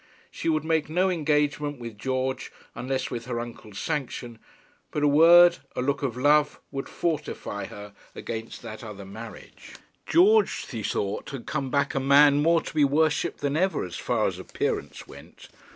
She would make no engagement with George unless with her uncle's sanction; but a word, a look of love, would fortify her against that other marriage. George, she thought, had come back a man more to be worshipped than ever, as far as appearance went.